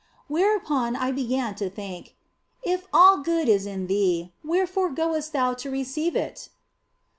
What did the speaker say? Whereupon I began to think, " If all good is in thee, wherefore goest thou to receive it